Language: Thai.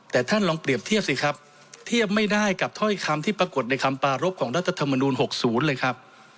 แต่ท่านลองเปรียบเทียบสิครับเทียบไม่ได้กับถ้อยคำที่ปรากฏในคำปารพของรัฐธรรมนูล๖๐เลยครับ